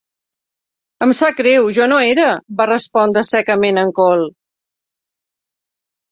"Em sap greu, jo no era", va respondre secament en Cole.